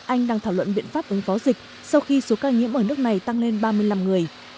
anh đang thảo luận biện pháp ứng phó dịch sau khi số ca nhiễm ở nước này tăng lên ba mươi năm người